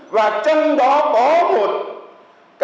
và trong đó có một cái giải pháp đột phá thứ ba